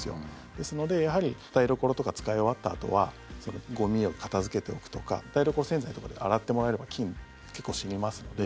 ですので、やはり台所とか使い終わったあとはゴミを片付けておくとか台所用洗剤とかで洗ってもらえれば菌、結構、死にますので。